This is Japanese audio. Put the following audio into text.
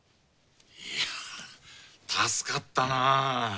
いやぁ助かったな。